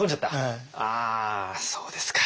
あそうですか。